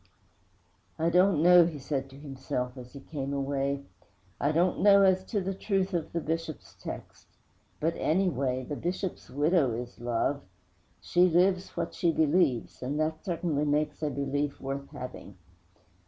'I don't know,' he said to himself, as he came away, 'I don't know as to the truth of the Bishop's text; but, anyway, the Bishop's widow is love. She lives what she believes, and that certainly makes a belief worth having.'